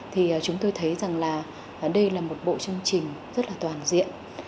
thì chúng tôi thấy rằng là đây là một bộ chương trình rất là toàn diện